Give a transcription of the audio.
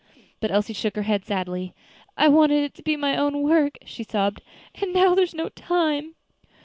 But Elsie shook her head sadly. "I wanted it to be my own work," she sobbed, "and now there is no time."